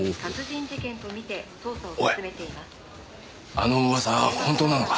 あの噂本当なのか？